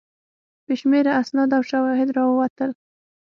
بې شمېره اسناد او شواهد راووتل.